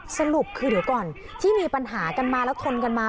สรุปคือเดี๋ยวก่อนที่มีปัญหากันมาแล้วทนกันมา